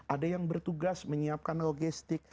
ada yang bertugas menyiapkan logistik